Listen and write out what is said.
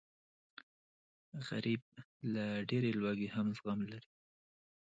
غریب له ډېرې لوږې هم زغم لري